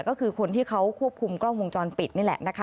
ก็คือคนที่เขาควบคุมกล้องวงจรปิดนี่แหละนะคะ